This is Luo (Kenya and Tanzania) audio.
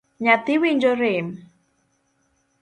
Nyathi winjo rem?